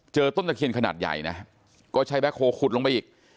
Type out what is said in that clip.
ต้นตะเคียนขนาดใหญ่นะก็ใช้แบ็คโฮลขุดลงไปอีก